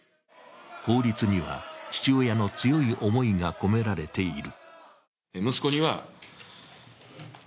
法律には、父親の強い思いが込められている。